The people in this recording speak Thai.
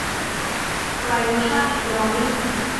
ไร้ท์ทันเน็ลลิ่ง